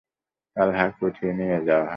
তালহাকে উঠিয়ে নিয়ে যাওয়া হয়।